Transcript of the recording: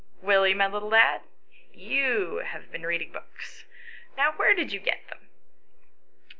" Willie, my little lad," she said, " you have been reading books. Now, where did you get them